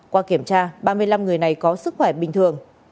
qua kiểm tra ba mươi năm người này có sức khỏe bình thường